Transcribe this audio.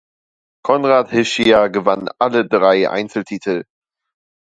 Konrad Hischier gewann alle drei Einzeltitel.